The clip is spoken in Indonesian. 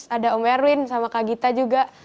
ada om erwin sama kak gita juga